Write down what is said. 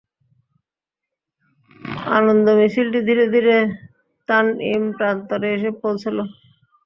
আনন্দ মিছিলটি ধীরে ধীরে তানঈম প্রান্তরে এসে পৌঁছল।